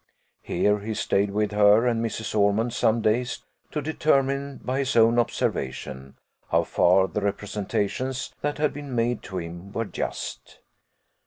Here he stayed with her and Mrs. Ormond some days, to determine, by his own observation, how far the representations that had been made to him were just.